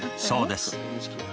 そうです。